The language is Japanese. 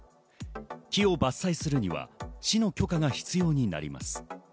木を伐採するには市の許可が必要になります。